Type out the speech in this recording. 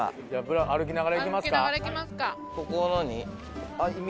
歩きながら行きますか。